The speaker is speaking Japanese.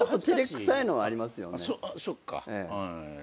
そっか。